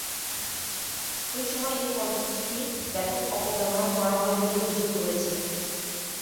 ওই সময় এ পদ্ধতিটির ব্যাপক অপব্যবহার করা হয় বলে অভিযোগ রয়েছে।